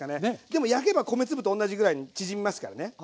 でも焼けば米粒と同じぐらいに縮みますからね。